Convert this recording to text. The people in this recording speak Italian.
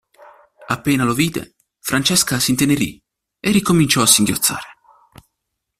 Appena lo vide, Francesca s'intenerì e ricominciò a singhiozzare.